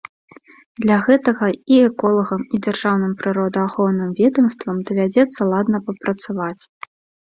Для гэтага і эколагам, і дзяржаўным прыродаахоўным ведамствам давядзецца ладна папрацаваць.